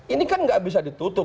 ini kan nggak bisa ditutup